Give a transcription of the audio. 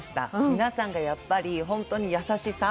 皆さんがやっぱり本当に優しさ？